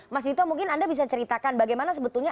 mas dito mungkin anda bisa ceritakan bagaimana sebetulnya